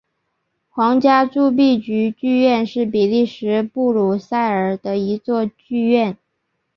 皇家铸币局剧院是比利时布鲁塞尔的一座剧院。